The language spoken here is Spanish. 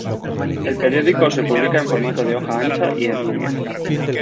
El periódico se publica en formato de hoja ancha y en línea.